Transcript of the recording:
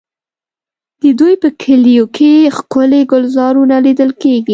د دوی په کلیو کې ښکلي ګلزارونه لیدل کېږي.